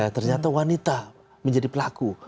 ternyata wanita menjadi pelaku